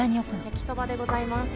焼きそばでございます